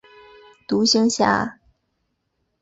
独行侠。